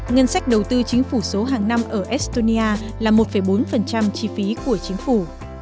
ngân sách đầu tư chính phủ số hàng năm ở estonia là một bốn chi phí của chính phủ